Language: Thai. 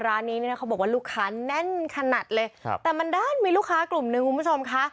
ร้านนี้เนี่ยนะเขาบอกว่าลูกค้าแน่นขนาดเลยครับแต่มันด้านมีลูกค้ากลุ่มหนึ่งคุณผู้ชมค่ะ